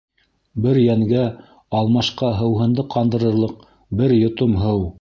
Бер йәнгә алмашҡа һыуһынды ҡандырырлыҡ бер йотом һыу.